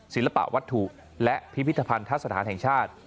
ศิลปะวัตถุและพิพิธภัณฑสถานแห่งชาติ